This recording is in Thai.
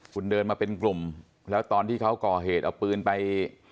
คุณเดินมาเป็นกลุ่มแล้วตอนที่เขาก่อเหตุเอาปืนไป